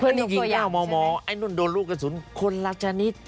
เพื่อนนี่ยิงก้าวหมอไอ้นั่นโดนลูกกระสุนคนละชนิด